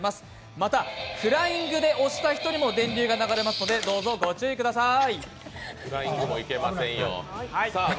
また、フライングで押した人にも電流が流れますのでどうぞご注意ください。